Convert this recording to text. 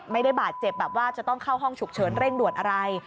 ไม่ได้บาดเจ็บแบบว่าจะต้องเข้าห้องฉุกเฉินเร่งด่วนอะไร